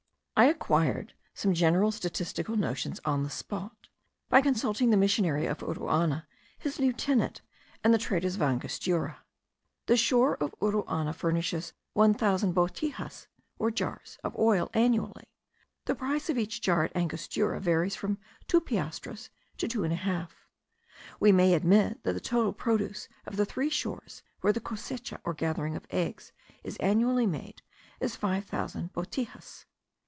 I acquired some general statistical notions on the spot, by consulting the missionary of Uruana, his lieutenant, and the traders of Angostura. The shore of Uruana furnishes one thousand botijas, or jars of oil, annually. The price of each jar at Angostura varies from two piastres to two and a half. We may admit that the total produce of the three shores, where the cosecha, or gathering of eggs, is annually made, is five thousand botijas.